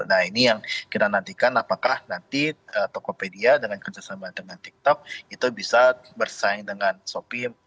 nah ini yang kita nantikan apakah nanti tokopedia dengan kerjasama dengan tiktok itu bisa bersaing dengan shopee